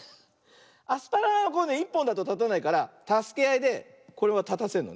アスパラ１ぽんだとたたないからたすけあいでこれはたたせるのね。